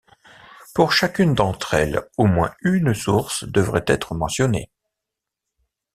Pour chacune d'entre elles, au moins une source devrait être mentionnée.